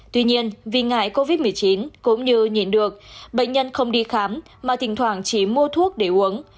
tuy nhiên vì ngại covid một mươi chín cũng như nhìn được bệnh nhân không đi khám mà thỉnh thoảng chỉ mua thuốc để uống